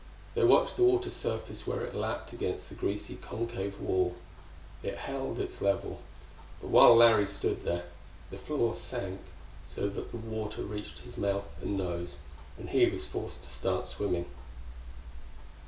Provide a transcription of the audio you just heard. They watched the water surface where it lapped against the greasy concave wall. It held its level: but while Larry stood there, the floor sank so that the water reached his mouth and nose, and he was forced to start swimming.